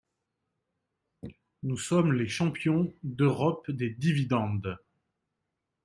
Nous sommes les champions d’Europe des dividendes.